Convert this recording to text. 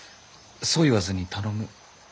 そう言わずに頼む。